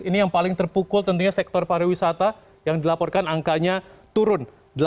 ini yang paling terpukul tentunya sektor pariwisata yang dilaporkan angkanya turun